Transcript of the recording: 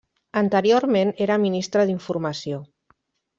Anteriorment era Ministra d'Informació.